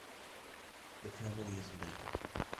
The family is united.